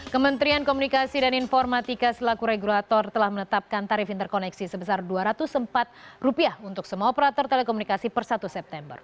kementerian komunikasi dan informatika selaku regulator telah menetapkan tarif interkoneksi sebesar rp dua ratus empat untuk semua operator telekomunikasi per satu september